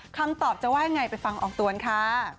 ทางตอบจะเป็นว่าอย่างไรไปฟังอองตวนคะ